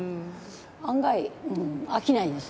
案外飽きないです。